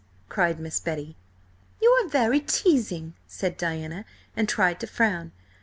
cried Miss Betty. "You are very teasing," said Diana, and tried to frown.